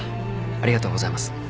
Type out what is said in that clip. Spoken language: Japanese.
ありがとうございます。